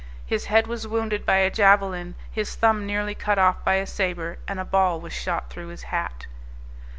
His head was wounded by a javelin, his thumb nearly cut off by a sabre, and a ball was shot through his hat.